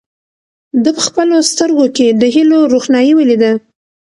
ده په خپلو سترګو کې د هیلو روښنايي ولیده.